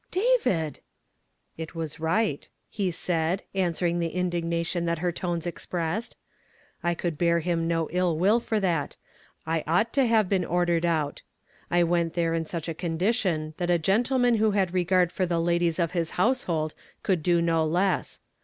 " David !"" It was right," he said, answering the indig nation that her tones expressed. "• I could bear him no ill will for that ; I ought to have been ordered out. I went there in such a condition that a gentleman who had regard for the ladies of his househc could do no less.